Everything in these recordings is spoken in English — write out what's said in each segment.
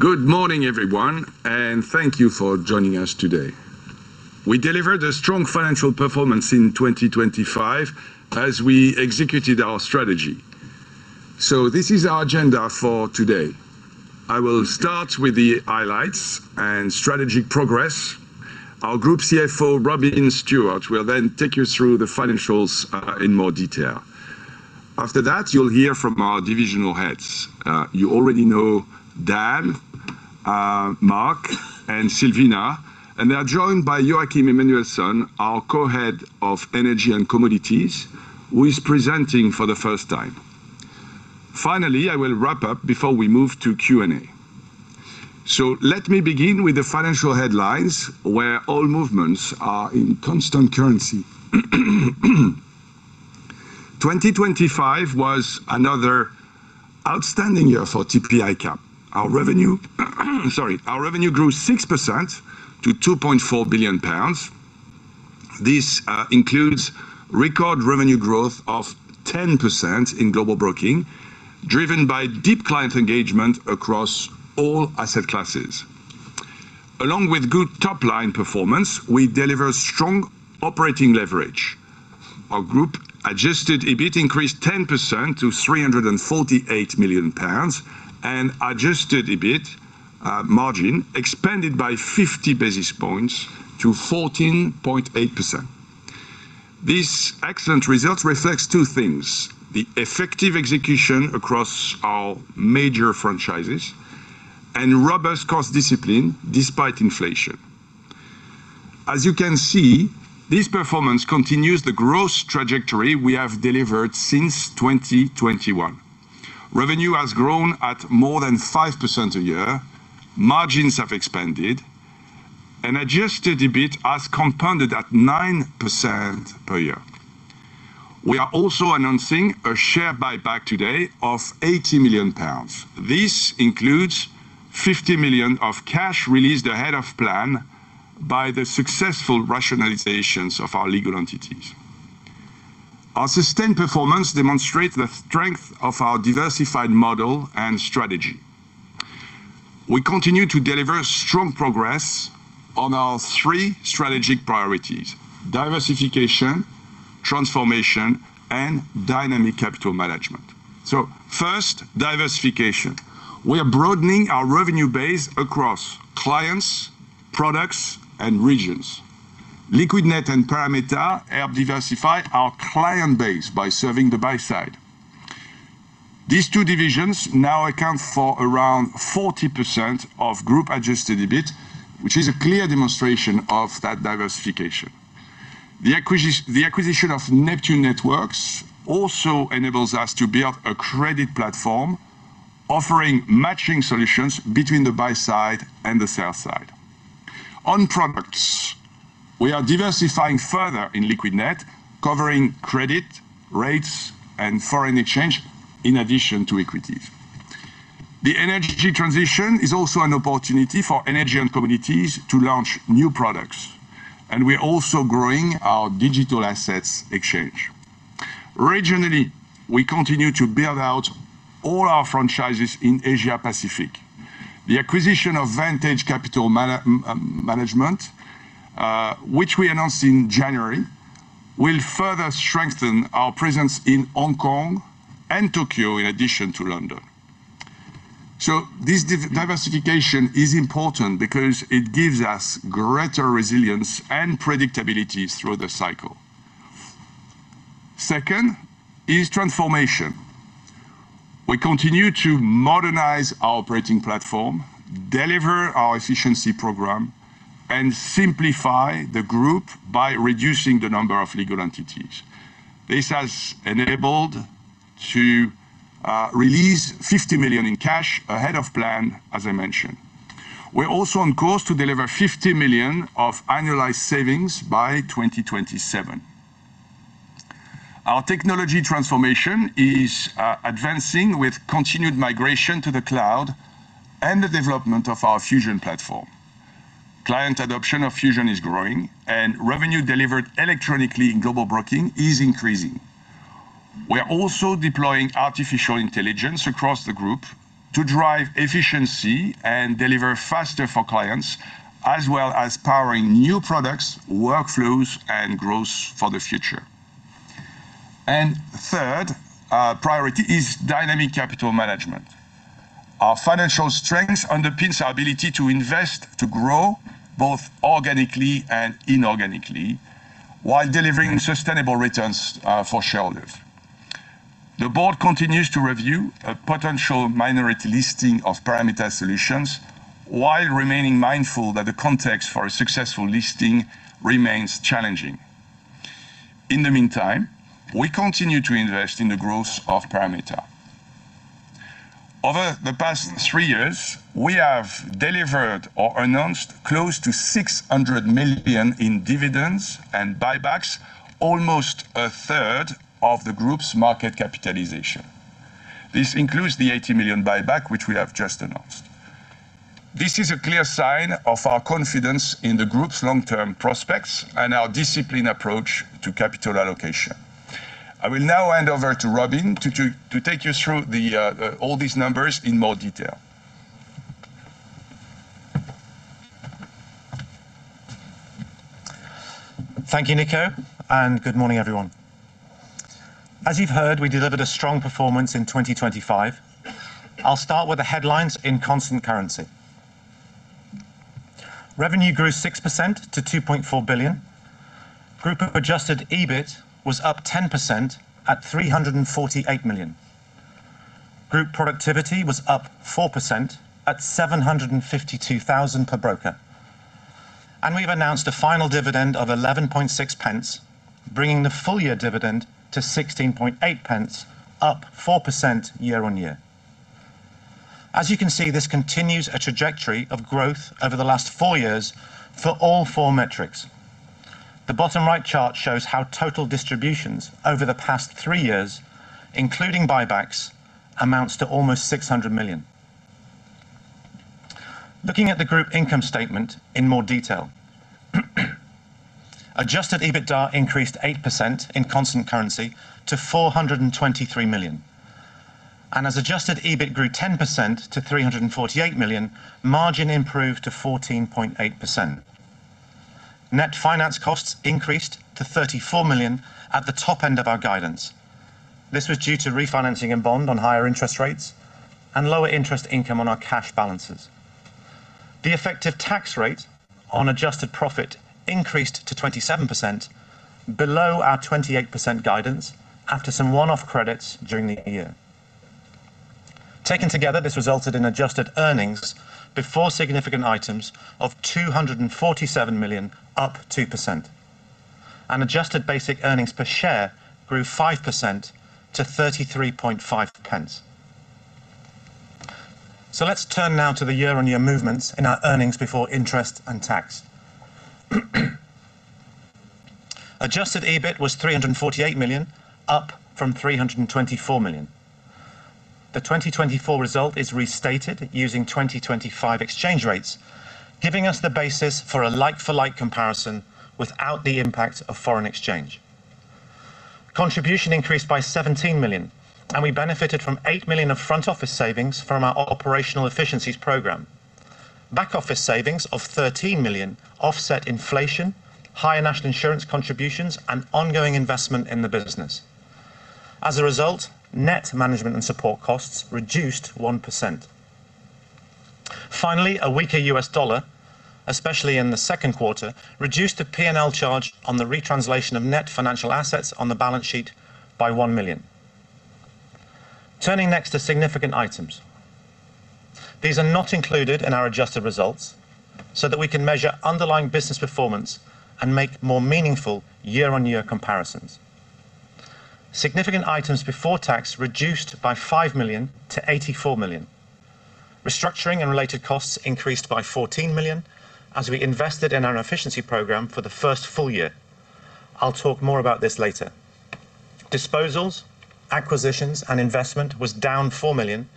Good morning everyone, and thank you for joining us today. We delivered a strong financial performance in 2025 as we executed our strategy. This is our agenda for today. I will start with the highlights and strategic progress. Our Group CFO, Robin Stewart, will then take you through the financials in more detail. After that, you'll hear from our divisional heads. You already know Dan, Mark, and Silvina, and they are joined by Joachim Emanuelsson, our Co-head of Energy & Commodities, who is presenting for the first time. Finally, I will wrap up before we move to Q&A. Let me begin with the financial headlines where all movements are in constant currency. 2025 was another outstanding year for TP ICAP. Our revenue grew 6% to 2.4 billion pounds. This includes record revenue growth of 10% in Global Broking, driven by deep client engagement across all asset classes. Along with strong top-line performance, we delivered solid operating leverage. Our group adjusted EBIT increased 10% to 348 million pounds, and the adjusted EBIT margin expanded by 50 basis points to 14.8%. This result reflects two things: effective execution across our major franchises and robust cost discipline despite inflation. As you can see, this performance continues the growth trajectory we have delivered since 2021. Revenue has grown at more than 5% a year, margins have expanded, and adjusted EBIT has compounded at 9% per year. We are also announcing a share buyback today of 80 million pounds. This includes 50 million of cash released ahead of plan by the successful rationalizations of our legal entities. Our sustained performance demonstrates the strength of our diversified model and strategy. We continue to deliver strong progress on our three strategic priorities: diversification, transformation, and dynamic capital management. First, diversification. We are broadening our revenue base across clients, products, and regions. Liquidnet and Parameta help diversify our client base by serving the buy side. These two divisions now account for around 40% of group-adjusted EBIT, a clear demonstration of that diversification. The acquisition of Neptune Networks also enables us to build a credit platform offering matching solutions between the buy side and the sell side. On products, we are diversifying further in Liquidnet, covering credit, rates, and foreign exchange in addition to equities. The energy transition is also an opportunity for Energy & Commodities to launch new products, and we are growing our digital assets exchange. Regionally, we continue to build out all our franchises in Asia-Pacific. The acquisition of Vantage Capital Markets, announced in January, will further strengthen our presence in Hong Kong and Tokyo in addition to London. This diversification gives us greater resilience and predictability through the cycle. Second is transformation. We continue to modernize our operating platform, deliver our efficiency program, and simplify the group by reducing the number of legal entities. This has enabled us to release 50 million in cash ahead of plan. We are also on course to deliver 50 million of annualized savings by 2027. Our technology transformation is advancing with continued migration to the cloud and the development of our Fusion platform. Client adoption of Fusion is growing, and revenue delivered electronically in Global Broking is increasing. We are deploying artificial intelligence across the group to drive efficiency and deliver faster for clients, as well as powering new products, workflows, and growth for the future. Third, dynamic capital management. Our financial strength underpins our ability to invest to grow both organically and inorganically while delivering sustainable returns for shareholders. The board continues to review a potential minority listing of Parameta Solutions, while being mindful that the context for a successful listing remains challenging. In the meantime, we continue to invest in the growth of Parameta. Over the past three years, we have delivered or announced close to 600 million in dividends and buybacks, almost a third of the group's market capitalization. This includes the 80 million buyback just announced. This is a clear sign of our confidence in the group's long-term prospects and disciplined approach to capital allocation. I will now hand over to Robin to take you through all these numbers in more detail. Thank you, Nico, and good morning, everyone. As you've heard, we delivered a strong performance in 2025. I'll start with the headlines in constant currency. Revenue grew 6% to £2.4 billion. Group adjusted EBIT was up 10% at £348 million. Group productivity was up 4% at £752,000 per broker. We've announced a final dividend of £0.116, bringing the full-year dividend to £0.168, up 4% year-on-year. This continues a trajectory of growth over the last four years for all four metrics. The bottom right chart shows total distributions over the past three years, including buybacks, amounting to almost £600 million. Looking at the group income statement in more detail. Adjusted EBITDA increased 8% in constant currency to 423 million. Adjusted EBIT grew 10% to 348 million, with margin improving to 14.8%. Net finance costs increased to 34 million, at the top end of our guidance, due to refinancing a bond at higher interest rates and lower interest income on our cash balances. The effective tax rate on adjusted profit increased to 27%, below our 28% guidance after some one-off credits. Taken together, this resulted in adjusted earnings before significant items of 247 million, up 2%. Adjusted basic earnings per share grew 5% to 33.5 pence. Let's turn now to the year-on-year movements in our earnings before interest and tax. Adjusted EBIT was 348 million, up from 324 million. The 2024 result is restated using 2025 exchange rates, providing a like-for-like comparison without foreign exchange impact. Contribution increased by 17 million, and we benefited from 8 million of front-office savings from our operational efficiencies program. Back-office savings of 13 million offset inflation, higher national insurance contributions, and ongoing investment in the business. Net management and support costs reduced 1%. Finally, a weaker US dollar, especially in the second quarter, reduced the P&L charge on the retranslation of net financial assets on the balance sheet by 1 million. Turning next to significant items, which are excluded from our adjusted results to measure underlying business performance and make meaningful year-on-year comparisons. Significant items before tax reduced by 5 million to 84 million. Restructuring and related costs increased by 14 million as we invested in our efficiency program for the first full year. Disposals, acquisitions, and investments were down 4 million,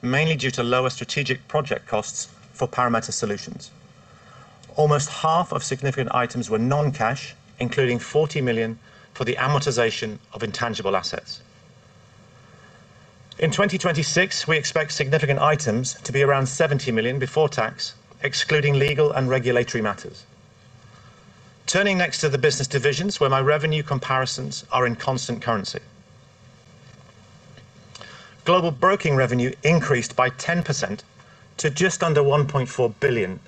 mainly due to lower strategic project costs for Parameta Solutions. Almost half of significant items were non-cash, including 40 million for amortization of intangible assets. In 2026, we expect significant items to be around 70 million before tax, excluding legal and regulatory matters. Turning next to business divisions, where revenue comparisons are in constant currency, Global Broking revenue increased 10% to just under 1.4 billion,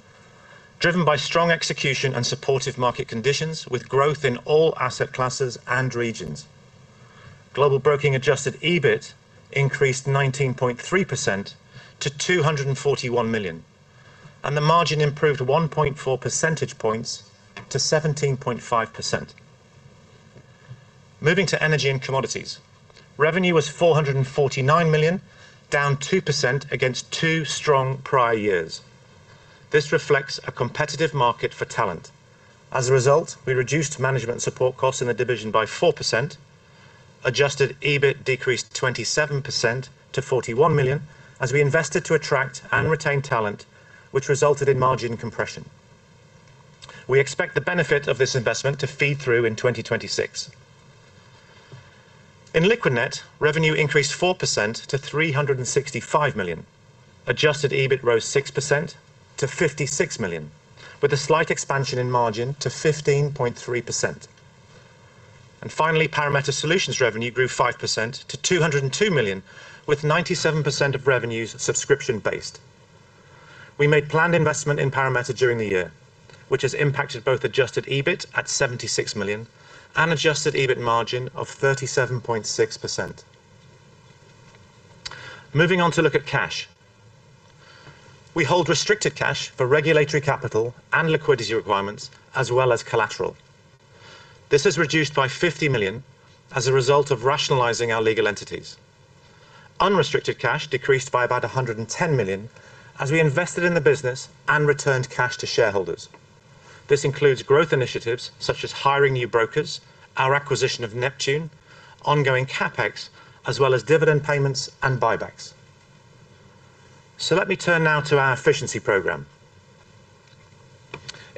driven by strong execution and supportive market conditions with growth across all asset classes and regions. Global Broking Adjusted EBIT increased 19.3% to 241 million, with margin improving 1.4 percentage points to 17.5%. Moving to Energy & Commodities: revenue was 449 million, down 2% against two strong prior years, reflecting a competitive market for talent. As a result, management support costs in the division were reduced by 4%. Adjusted EBIT decreased 27% to 41 million as we invested to attract and retain talent, resulting in margin compression. We expect the benefit of this investment to feed through in 2026. In Liquidnet, revenue increased 4% to 365 million. Adjusted EBIT rose 6% to 56 million, with a slight margin expansion to 15.3%. Finally, Parameta Solutions revenue grew 5% to 202 million, with 97% of revenues subscription-based. We made planned investments in Parameta during the year, which impacted both adjusted EBIT at 76 million and adjusted EBIT margin of 37.6%. Looking at cash, we hold restricted cash for regulatory capital and liquidity requirements as well as collateral. This was reduced by 50 million due to rationalizing our legal entities. Unrestricted cash decreased by about 110 million as we invested in the business and returned cash to shareholders. This includes growth initiatives like hiring new brokers, acquiring Neptune, ongoing CapEx, and dividend payments and buybacks. Let me turn now to our efficiency program.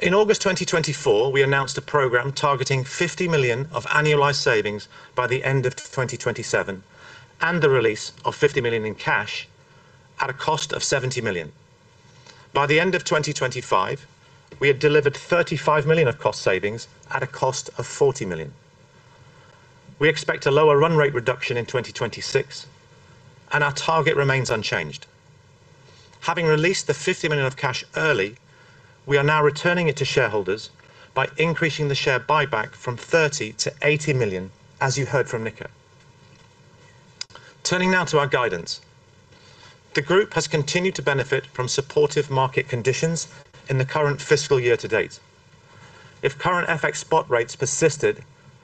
In August 2024, we announced a program targeting 50 million of annualized savings by the end of 2027 and releasing 50 million in cash at a cost of 70 million. By the end of 2025, we had delivered 35 million of cost savings at a cost of 40 million. We expect a lower run rate reduction in 2026, but our target remains unchanged. Having released 50 million of cash early, we are now returning it to shareholders by increasing the share buyback from 30 million to 80 million, as Nicolas mentioned. Turning now to guidance, the group has continued to benefit from supportive market conditions in the current fiscal year. If current FX spot rates persist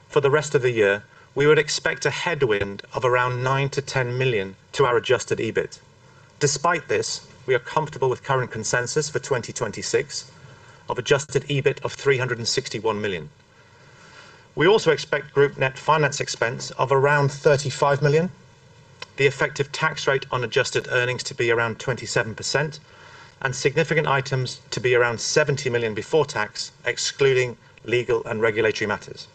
for the rest of the year, we would expect a headwind of around 9-10 million to our adjusted EBIT. Despite this, we are comfortable with current consensus for 2026, with adjusted EBIT of 361 million. We also expect group net finance expense around 35 million, the effective tax rate on adjusted earnings to be around 27%, and significant items to be around 70 million before tax, excluding legal and regulatory matters.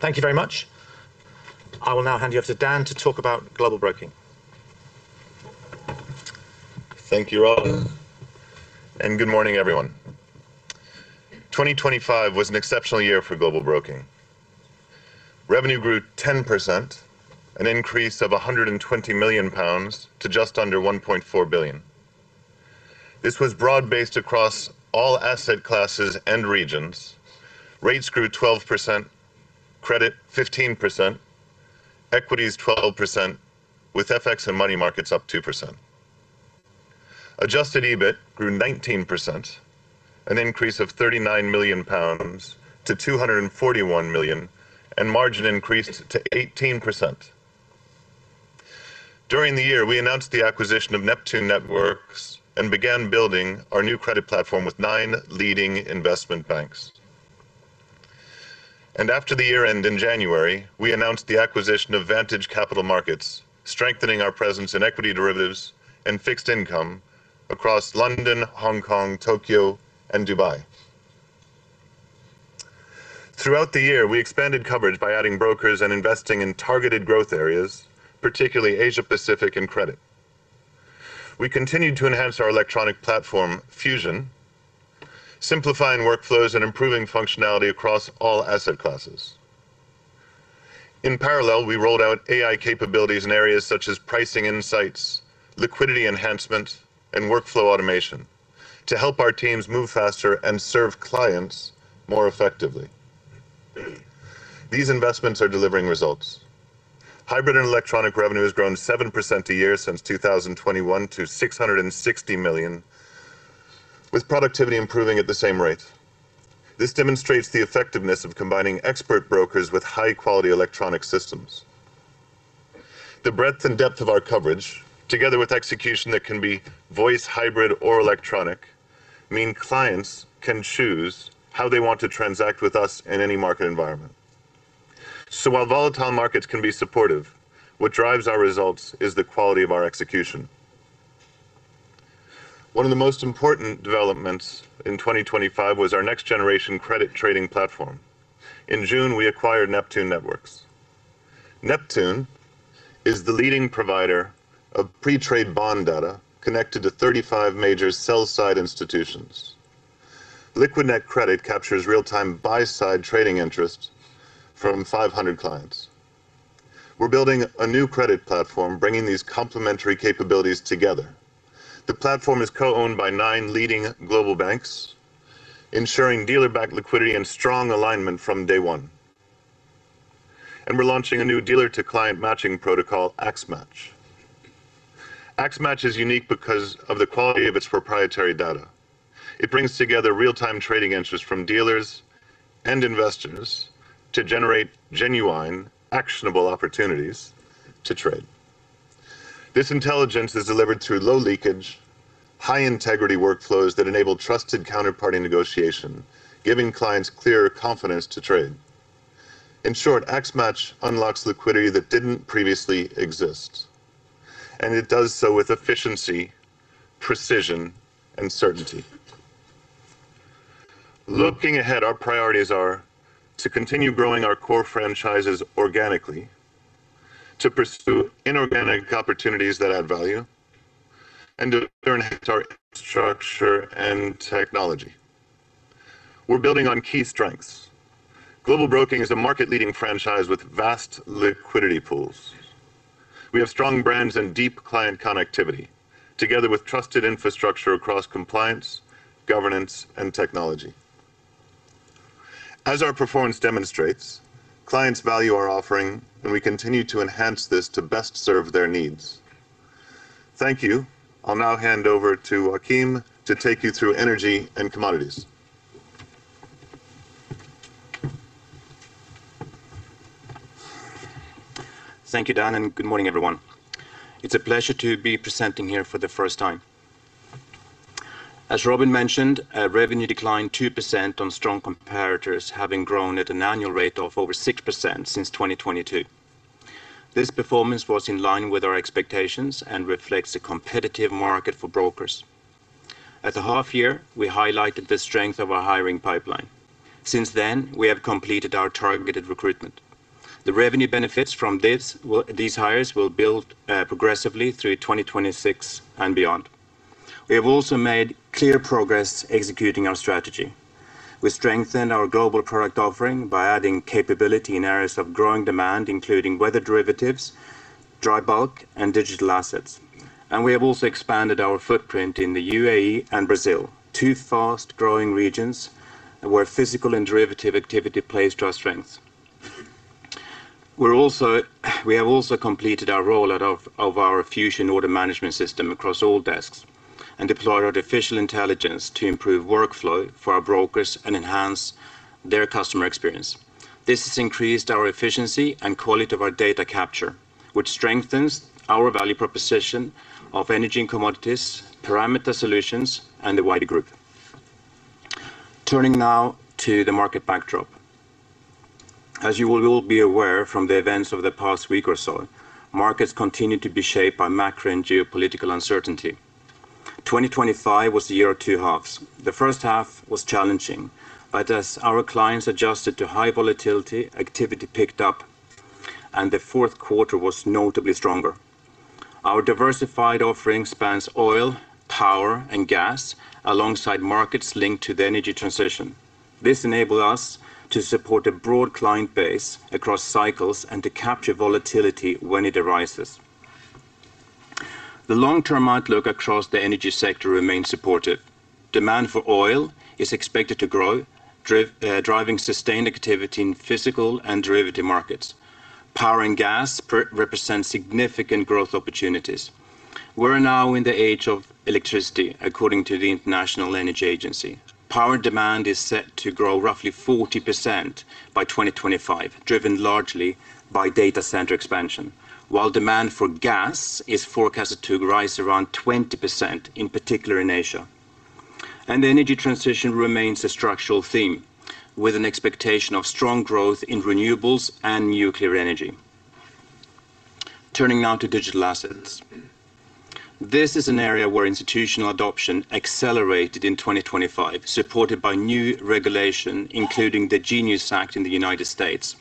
Thank you. I will now hand over to Dan to discuss Global Broking. Thank you, Robin, and good morning, everyone. 2025 was an exceptional year for Global Broking. Revenue grew 10%, an increase of 120 million pounds to just under 1.4 billion. This growth was broad-based across all asset classes and regions. Rates grew 12%, credit 15%, equities 12%, and FX and money markets up 2%. Adjusted EBIT grew 19%, an increase of 39 million pounds to 241 million, and margin increased to 18%. During the year, we announced the acquisition of Neptune Networks and began building our new credit platform with nine leading investment banks. After year-end in January, we announced the acquisition of Vantage Capital Markets, strengthening our presence in equity derivatives and fixed income across London, Hong Kong, Tokyo, and Dubai. Throughout the year, we expanded coverage by adding brokers and investing in targeted growth areas, particularly Asia Pacific and credit. We continued to enhance our electronic platform, Fusion, simplifying workflows and improving functionality across all asset classes. In parallel, we rolled out AI capabilities in areas such as pricing insights, liquidity enhancement, and workflow automation to help our teams move faster and serve clients more effectively. These investments are delivering results. Hybrid and electronic revenue has grown 7% a year since 2021 to 660 million, with productivity improving at the same rate. This demonstrates the effectiveness of combining expert brokers with high-quality electronic systems. The breadth and depth of our coverage, together with execution that can be voice, hybrid, or electronic, mean clients can choose how they want to transact in any market environment. While volatile markets can be supportive, what drives our results is the quality of our execution. One of the most important developments in 2025 was our next-generation credit trading platform. In June, we acquired Neptune Networks. Neptune is the leading provider of pre-trade bond data connected to 35 major sell-side institutions. Liquidnet Credit captures real-time buy-side trading interest from 500 clients. We’re building a new credit platform, bringing these complementary capabilities together. The platform is co-owned by nine leading global banks, ensuring dealer-backed liquidity and strong alignment from day one. We’re launching a new dealer-to-client matching protocol, AxeMatch. AxeMatch is unique because of the quality of its proprietary data. It brings together real-time trading interest from dealers and investors to generate genuine, actionable opportunities to trade. This intelligence is delivered through low-leakage, high-integrity workflows that enable trusted counterparty negotiation, giving clients clearer confidence to trade. In short, AxeMatch unlocks liquidity that didn’t previously exist, and it does so with efficiency, precision, and certainty. Looking ahead, our priorities are to continue growing our core franchises organically, pursue inorganic opportunities that add value, and enhance our infrastructure and technology. We’re building on key strengths. Global Broking is a market-leading franchise with vast liquidity pools. We have strong brands and deep client connectivity, together with trusted infrastructure across compliance, governance, and technology. As our performance demonstrates, clients value our offering, and we continue to enhance this to best serve their needs. Thank you. I’ll now hand over to Joachim to take you through Energy & Commodities. We’ve completed the rollout of our Fusion order management system across all desks and deployed AI to improve workflow for brokers and enhance the customer experience. This has increased efficiency and the quality of data capture, strengthening the value proposition of Energy & Commodities, Parameta Solutions, and the wider group. Turning to the market backdrop, as you’re aware, markets continue to be shaped by macro and geopolitical uncertainty. 2025 was the year of two halves. The first half was challenging, but as clients adjusted to high volatility, activity picked up and the fourth quarter was notably stronger. Our diversified offering spans oil, power, and gas, alongside markets linked to the energy transition. This enabled us to support a broad client base across cycles and capture volatility when it arises. The long-term outlook across the energy sector remains supportive. Demand for oil is expected to grow, driving sustained activity in physical and derivative markets. Power and gas represent significant growth opportunities. We’re now in the age of electricity, according to the International Energy Agency. Power demand is set to grow roughly 40% by 2025, driven largely by data center expansion. Gas demand is forecasted to rise around 20%, particularly in Asia. The energy transition remains a structural theme, with strong growth expected in renewables and nuclear energy. Turning to digital assets, institutional adoption accelerated in 2025, supported by new regulation, including the uncertain in the United States.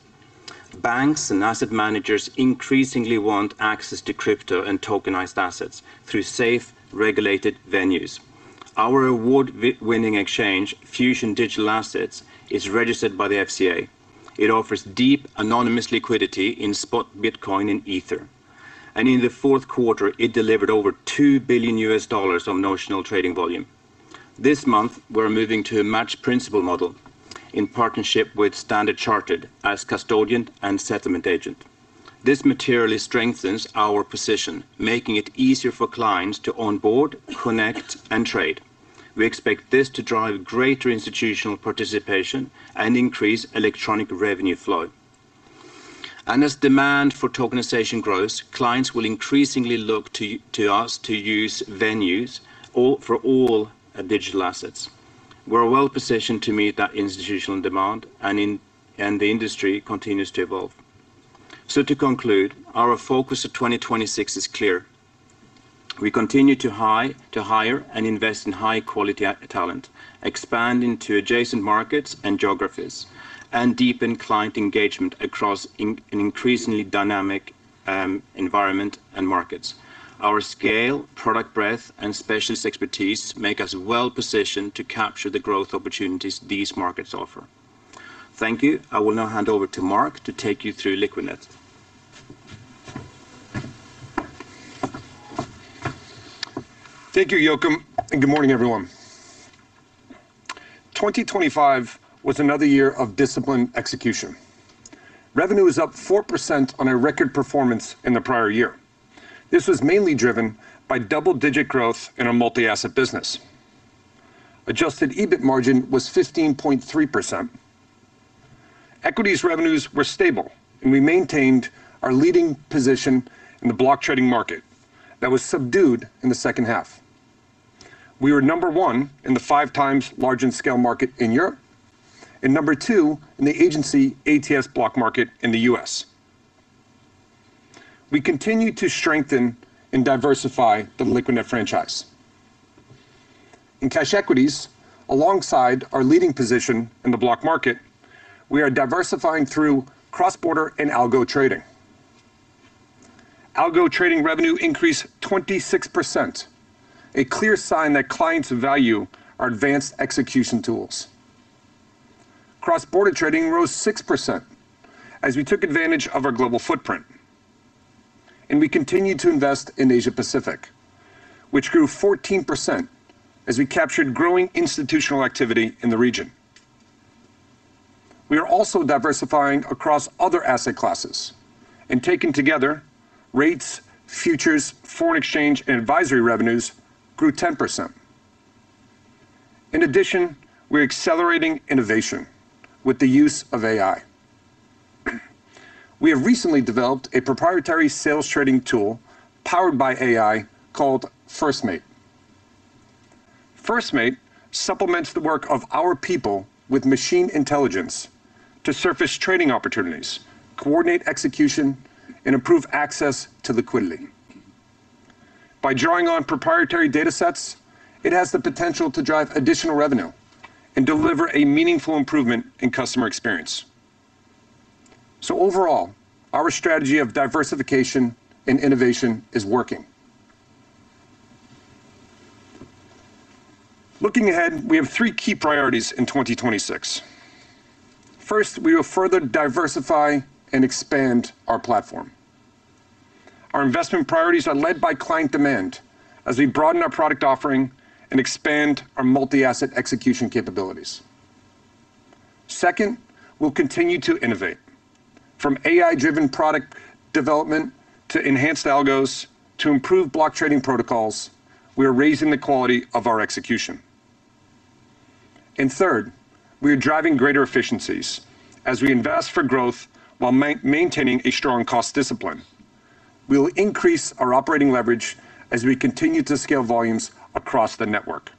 Banks and asset managers increasingly want access to crypto and tokenized assets through safe, regulated venues. Our award-winning exchange, Fusion Digital Assets, is registered by the FCA. It offers deep anonymous liquidity in spot Bitcoin and Ether. In Q4, it delivered over $2 billion of notional trading volume. This month, we’re moving to a matched principal model in partnership with Standard Chartered as custodian and settlement agent. This strengthens our position, making it easier for clients to onboard, connect, and trade. We expect this to drive greater institutional participation and increase electronic revenue flow. As demand for tokenization grows, clients will increasingly look to us to use venues for all digital assets. We're well-positioned to meet that institutional demand, and the industry continues to evolve. We continue to hire and invest in high-quality talent, expand into adjacent markets and geographies, and deepen client engagement across an increasingly dynamic environment. Our scale, product breadth, and specialist expertise make us well-positioned to capture the growth opportunities these markets offer. Thank you. I will now hand over to Mark to take you through Liquidnet. Thank you, Joachim, and good morning, everyone. 2025 was another year of disciplined execution. Revenue was up 4% on a record performance in the prior year, mainly driven by double-digit growth in our multi-asset business. Adjusted EBIT margin was 15.3%. Equities revenues were stable, and we maintained our leading position in the block trading market, which was subdued in H2. We were number one in the 5x large-in-scale market in Europe and number two in the agency ATS block market in the U.S. We continue to strengthen and diversify the Liquidnet franchise. In cash equities, alongside our leading position in the block market, we are diversifying through cross-border and algo trading. Algo trading revenue increased 26%, a clear sign that clients value our advanced execution tools. Cross-border trading rose 6% as we leveraged our global footprint. We continued to invest in Asia-Pacific, which grew 14% as we captured growing institutional activity in the region. We are also diversifying across other asset classes, and taken together, rates, futures, FX, and advisory revenues grew 10%. In addition, we're accelerating innovation with AI. We have developed a proprietary AI sales trading tool called FirstMate, which supplements our people with machine intelligence to surface trading opportunities, coordinate execution, and improve access to liquidity. By leveraging proprietary datasets, it has the potential to drive additional revenue and improve customer experience. Overall, our strategy of diversification and innovation is working. Looking ahead, we have three key priorities in 2026. First, we will further diversify and expand our platform. Our investment priorities are led by client demand as we broaden our product offering and expand multi-asset execution capabilities. Second, we'll continue to innovate—from AI-driven product development to enhanced algos to improved block trading protocols—to raise the quality of our execution. Third, we are driving greater efficiencies as we invest for growth while maintaining strong cost discipline. We will increase operating leverage as volumes scale across the network.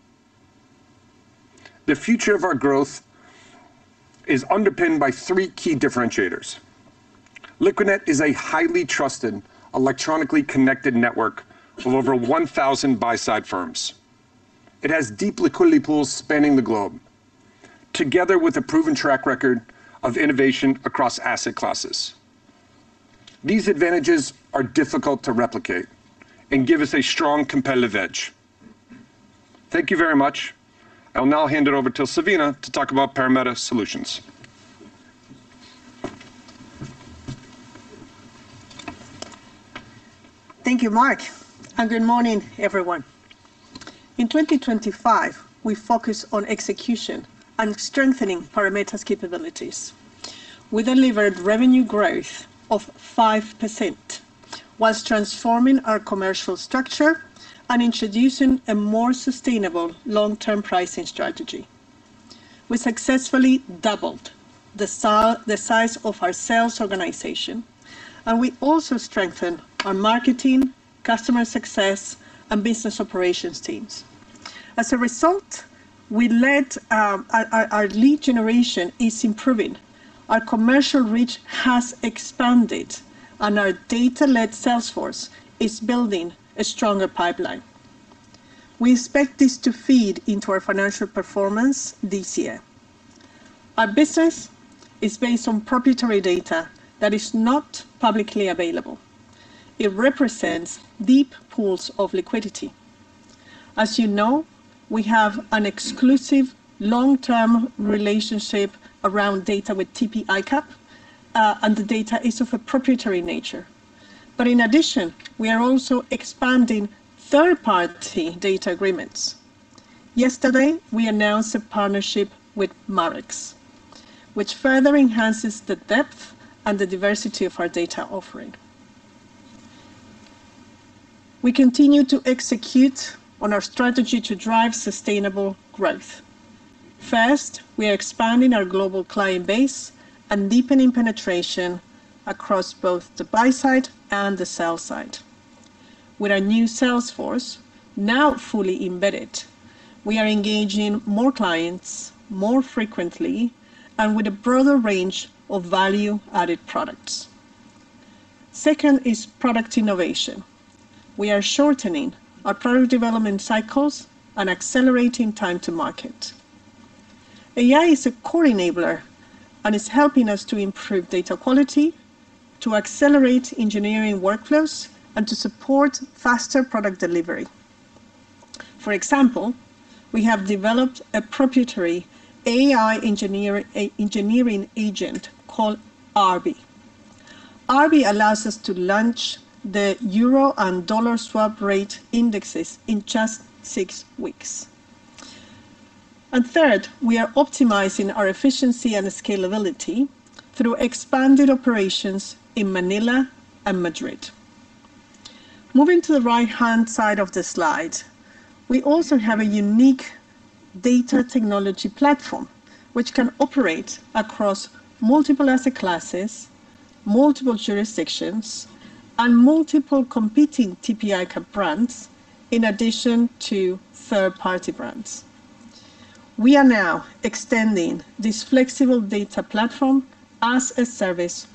Liquidnet is a highly trusted, electronically connected network of over 1,000 buy-side firms. It has deep liquidity pools globally and a proven track record of innovation across asset classes. These advantages are difficult to replicate and give us a strong competitive edge. Thank you. I will now hand it over to Silvina to talk about Parameta Solutions. Thank you, Mark, and good morning, everyone. In 2025, we focused on execution and strengthening Parameta's capabilities. We delivered revenue growth of 5% while transforming our commercial structure and introducing a more sustainable long-term pricing strategy. We successfully doubled the size of our sales organization, and we also strengthened our marketing, customer success, and business operations teams. As a result, our lead generation is improving, our commercial reach has expanded, and our data-led sales force is building a stronger pipeline. We expect this to feed into our financial performance this year. Our business is based on proprietary data that is not publicly available. It represents deep pools of liquidity. As you know, we have an exclusive long-term relationship around data with TP ICAP, and the data is of a proprietary nature. We are also expanding third-party data agreements. Yesterday, we announced a partnership with Marex, enhancing the depth and diversity of our data offering. We continue executing our strategy for sustainable growth. First, we are expanding our global client base and deepening penetration across both the buy side and sell side. With our new sales force fully embedded, we are engaging more clients more frequently with a broader range of value-added products. Second, product innovation: we are shortening product development cycles and accelerating time to market. AI is a core enabler, improving data quality, accelerating engineering workflows, and supporting faster product delivery. For example, we have developed a proprietary AI engineering agent called Arbi. Arbi allows us to launch the euro and dollar swap rate indexes in just six weeks. Third, we are optimizing efficiency and scalability through expanded operations in Manila and Madrid. We also have a unique data technology platform that operates across multiple asset classes, jurisdictions, and TP ICAP brands, as well as third-party brands. We are now extending this flexible data platform as a service.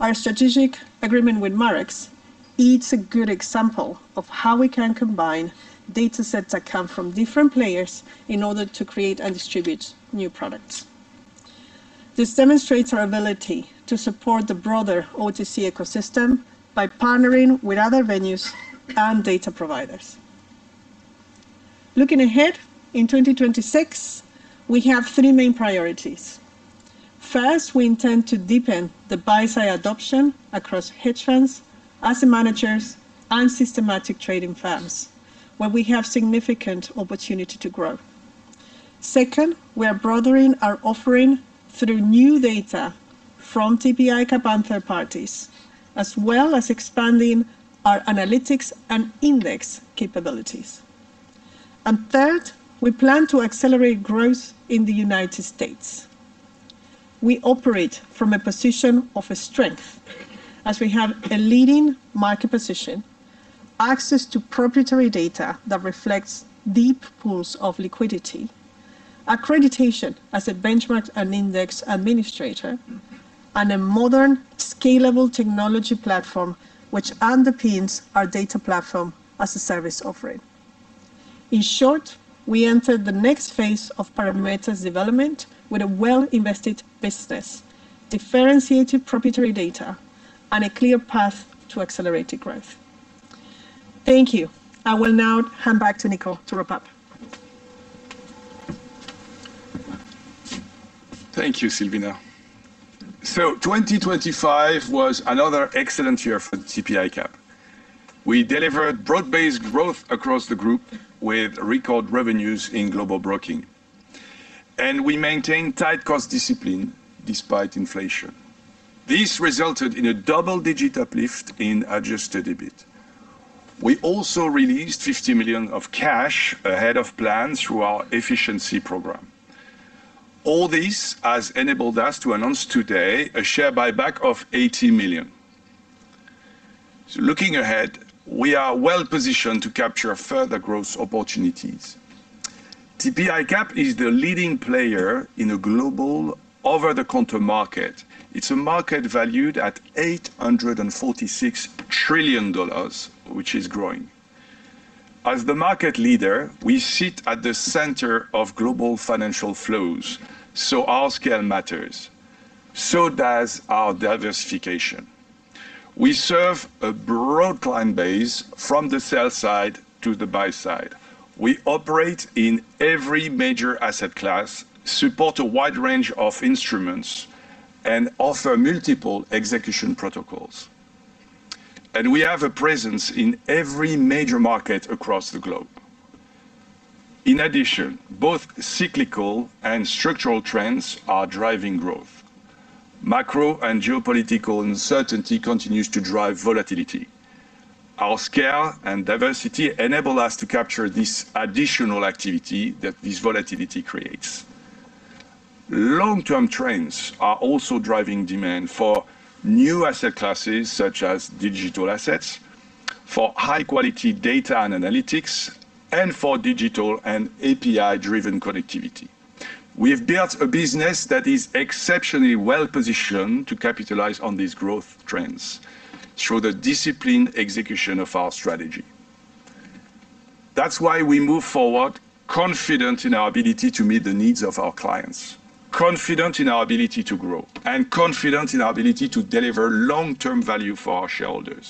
Our strategic agreement with Marex exemplifies how we combine datasets from different players to create and distribute new products, supporting the broader OTC ecosystem. In 2026, we have three main priorities. First, deepen buy-side adoption across hedge funds, asset managers, and systematic trading firms. Second, broaden our offering through new data from TP ICAP and third parties, while expanding analytics and index capabilities. Third, accelerate growth in the U.S. We operate from a position of strength with leading market position, access to proprietary data, accreditation as a benchmark and index administrator, and a modern scalable technology platform. In short, we enter the next phase of Parameta’s development with a well-invested business, differentiated proprietary data, and a clear path to accelerated growth. Thank you. I will now hand back to Nico to wrap up. Thank you, Silvina. 2025 was another excellent year for TP ICAP. We delivered broad-based growth across the group with record revenues in Global Broking. We maintained tight cost discipline despite inflation, resulting in a double-digit uplift in adjusted EBIT. We also released 50 million of cash ahead of plan through our efficiency program. All this has enabled us to announce today a share buyback of 80 million. Looking ahead, we are well-positioned to capture further growth opportunities. TP ICAP is the leading player in a global over-the-counter market valued at $846 trillion, which is growing. As the market leader, we sit at the center of global financial flows, so our scale matters. Our diversification does. We serve a broad client base from the sell side to the buy side. We operate in every major asset class, support a wide range of instruments, and offer multiple execution protocols. We have a presence in every major market across the globe. Both cyclical and structural trends are driving growth. Macro and geopolitical uncertainty continues to drive volatility. Our scale and diversity enable us to capture this additional activity that volatility creates. Long-term trends are driving demand for new asset classes, such as digital assets, for high-quality data and analytics, and for digital and API-driven connectivity. We have built a business that is exceptionally well-positioned to capitalize on these growth trends through disciplined execution. That’s why we move forward confident in our ability to meet client needs, grow, and deliver long-term value for shareholders.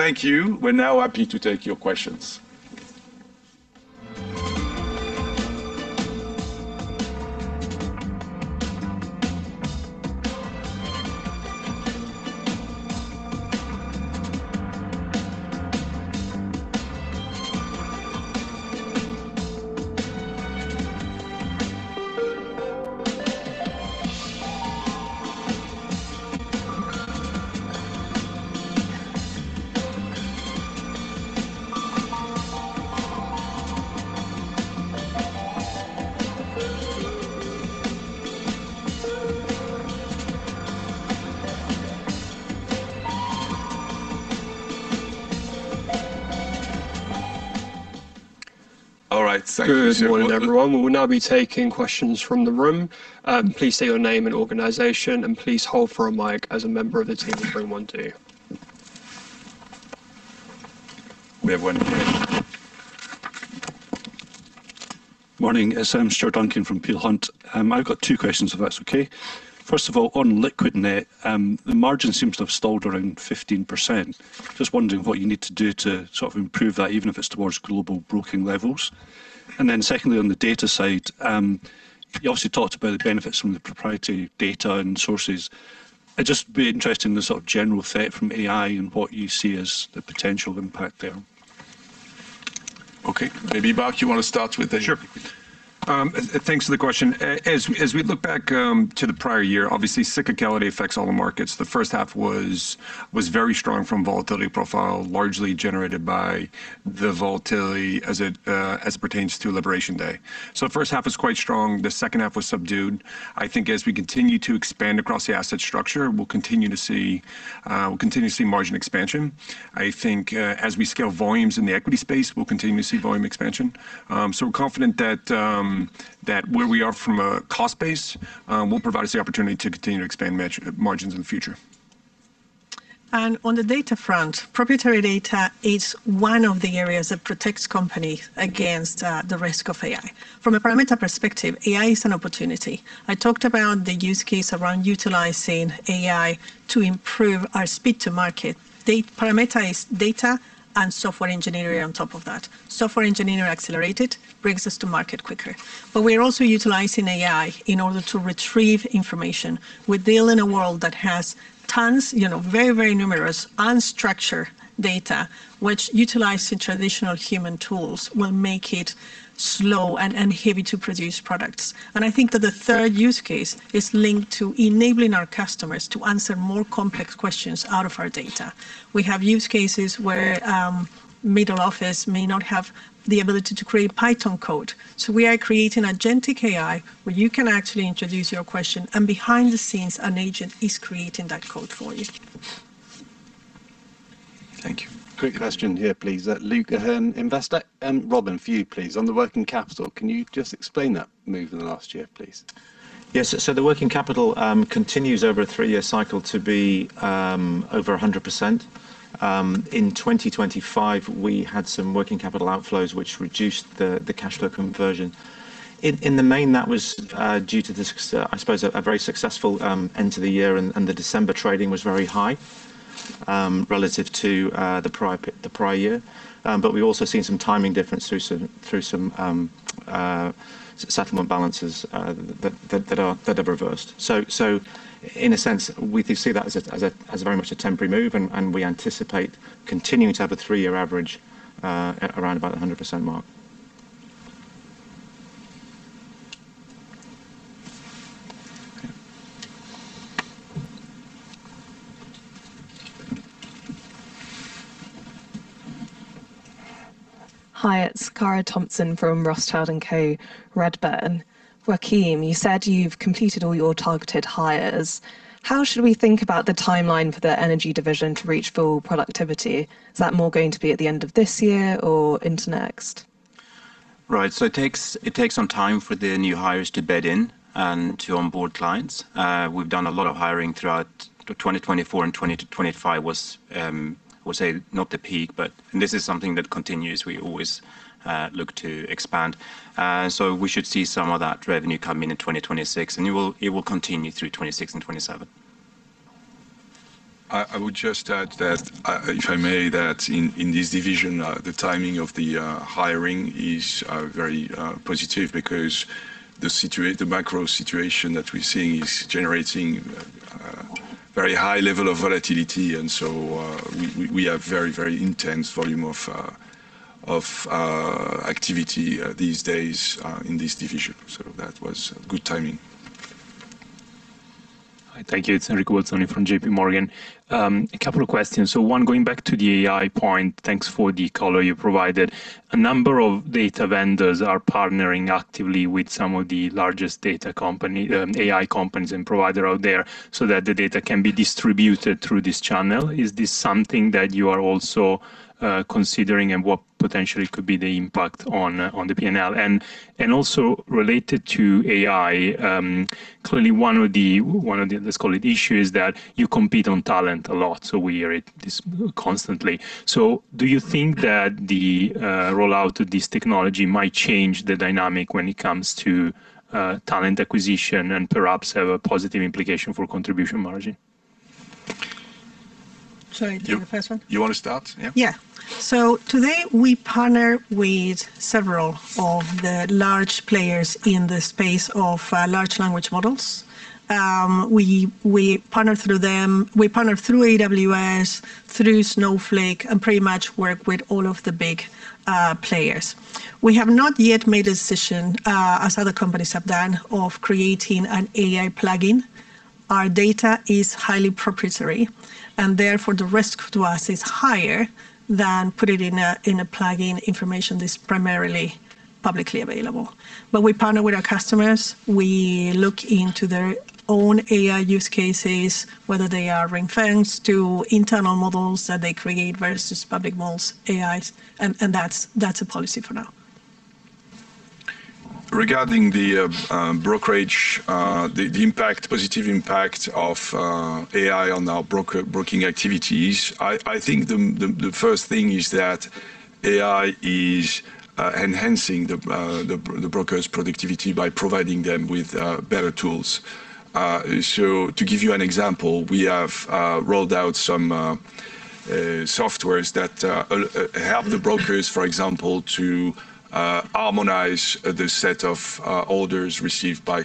Thank you. We're now happy to take your questions. All right. Thank you. Good morning, everyone. We will now be taking questions from the room. Please state your name and organization, and hold for a mic as a member of the team brings one to you. We have one here. Morning. It’s Stuart Duncan from Peel Hunt. I’ve got two questions if that’s okay. First, on Liquidnet, the margin seems to have stalled around 15%. Just wondering what you need to do to improve that, even if it’s towards Global Broking levels. Secondly, on the data side, you discussed benefits from proprietary data and sources. I’d be interested in the general threat from AI and what you see as the potential impact. Okay. Maybe Mark Govoni, you want to start with that? Sure. Thanks for the question. As we look back to the prior year, cyclicality affects all markets. The first half was strong from a volatility profile, largely due to Liberation Day. The second half was subdued. As we continue to expand across the asset structure, we expect margin expansion. Scaling volumes in equities will also help. We’re confident that our current cost base provides the opportunity to continue expanding margins in the future. On the data front, proprietary data protects the company against AI risks. From Parameta’s perspective, AI is an opportunity. We use AI to improve speed to market. Parameta combines data and software engineering. Accelerated software engineering allows faster market delivery. We also utilize AI to retrieve information from vast unstructured data that traditional tools handle slowly. A third use case enables customers to answer complex questions from our data. For example, middle office teams may not be able to create Python code themselves. We are creating an agentic AI where you can introduce your question, and behind the scenes, an agent generates the code for you. Thank you. Quick question here, please. Luke Ahern, Investor. Robin, on working capital, can you explain the move over the last year? Yes. Working capital continues over a three-year cycle to be over 100%. In 2025, some outflows reduced cash flow conversion, mainly due to a strong year-end and high December trading. Timing differences through settlement balances also reversed. We see this as temporary and expect the three-year average to remain around 100%. Okay. Hi, it’s Cara Thompson from Rothschild & Co. Joachim, you said you completed all targeted hires. How should we think about the timeline for the energy division to reach full productivity? Will that be by year-end or into next year? It takes time for new hires to onboard and engage clients. We did a lot of hiring in 2024 and into 2025. Revenue benefits will come through 2026 and continue into 2027. I’d add that timing is positive because current macro conditions are generating high volatility. The division is seeing very intense activity, so it’s well-timed. All right. Thanks. It’s Enrico Bolzoni from J.P. Morgan. A couple of questions. On AI, data vendors are partnering with major AI companies to distribute data. Is this something you’re considering, and what could be the P&L impact? Also, AI adoption might affect talent dynamics—could it positively impact contribution margin? Sorry, do the first one? You wanna start? Yeah. Yes. Today, we partner with several large players in the LLM space, including AWS and Snowflake. We haven’t created an AI plugin like other companies because our data is highly proprietary. The risk is higher if we expose it publicly. We partner with customers and evaluate their AI use cases, whether ring-fenced internal models or public AIs. That’s our current policy. Regarding broking, AI enhances broker productivity by providing better tools. For example, we rolled out software that harmonizes client orders received via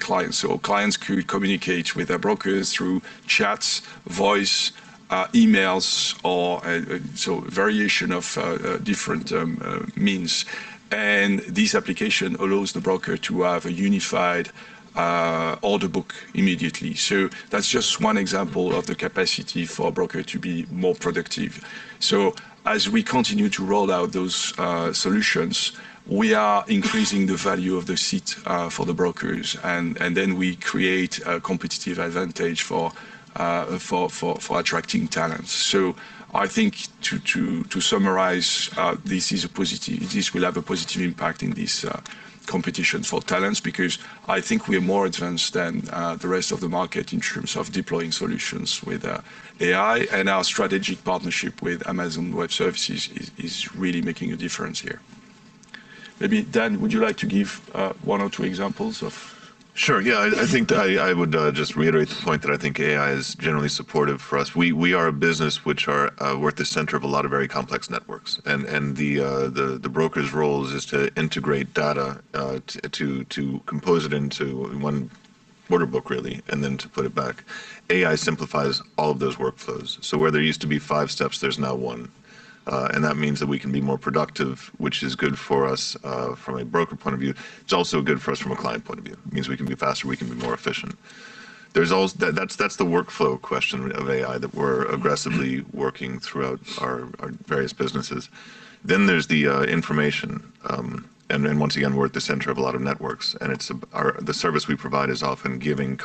chat, voice, email, or other channels. This gives brokers a unified order book immediately, improving efficiency and capacity. As we continue to roll out those solutions, we are increasing the value of the seat for the brokers, creating a competitive advantage for attracting talent. To summarize, this is a positive development. It will positively impact competition for talent, because we are more advanced than the rest of the market in deploying AI solutions. Our strategic partnership with Amazon Web Services is making a real difference. Maybe, Dan, would you like to give one or two examples of… Sure. I’d reiterate that AI is generally supportive for us. We are at the center of complex networks, and the broker’s role is to integrate data into a single order book and act on it. AI simplifies these workflows. Where there used to be five steps, now there’s one. This increases productivity, which is positive for brokers and clients alike. It allows us to act faster and more efficiently. That’s the workflow aspect of AI, which we’re aggressively applying across our businesses. Additionally, we provide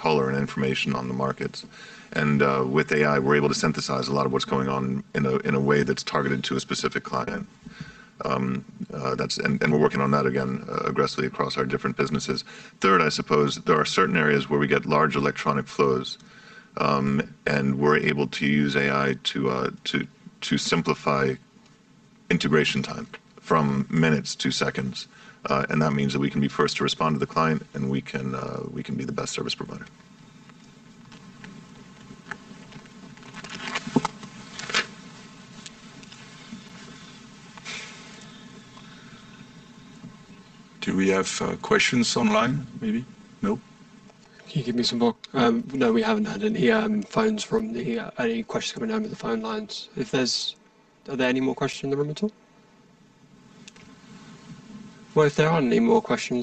color and market information to clients. With AI, we can synthesize data in a targeted way for each client. We’re working on this across different businesses. Third, in areas with large electronic flows, AI helps reduce integration time from minutes to seconds. That means we can respond first to clients and provide the best service. Do we have questions online, maybe? No. Can you give me some more? No, we haven’t had questions coming in via phone lines. Are there any more questions in the room? If not,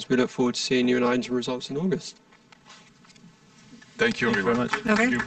we look forward to seeing you announce your results in August. Thank you, everyone. Thank you very much. Okay. Thank you.